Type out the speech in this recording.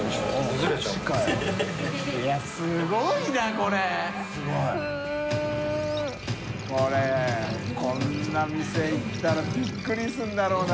これこんな店行ったらびっくりするんだろうな。